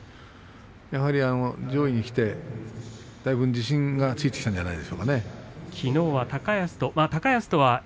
やはり、上位にきてだいぶ自信がついてきたんじゃないですか。